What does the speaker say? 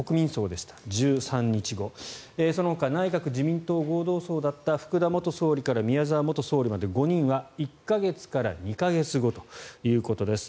そのほか内閣・自民党合同葬だった福田元総理から宮沢元総理まで５人は１か月から２か月後ということです。